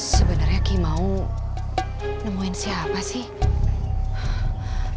sebenarnya ki mau nemuin siapa sih